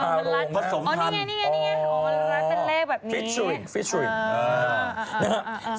ที่สงทั้งนี่ไงนี่ไงนี่ไงโอเวอราราคันแรกแบบนี้อ๋อฟิชเชอร์ฟิชเชอร์